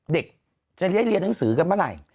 เด็กจะได้เรียนหนังสือกันเมื่อไหร่